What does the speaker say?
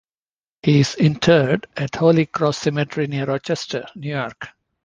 He is interred at Holy Cross Cemetery near Rochester, New York.